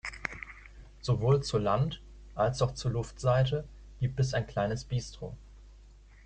Sowohl zur Land- als auch zur Luftseite gibt es ein kleines Bistro.